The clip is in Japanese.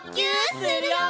するよ！